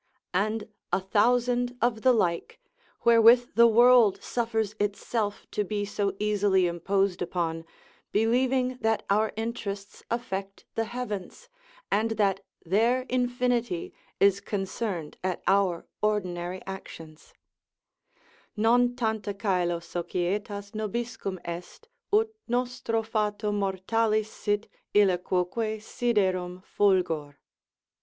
] and a thousand of the like, wherewith the world suffers itself to be so easily imposed upon, believing that our interests affect the heavens, and that their infinity is concerned at our ordinary actions: "Non tanta caelo societas nobiscum est, ut nostro fato mortalis sit ille quoque siderum fulgor."